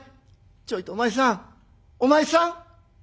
ちょいとお前さん。お前さん。